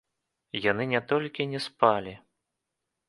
Яны не толькі не спалі.